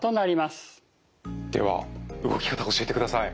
では動き方教えてください。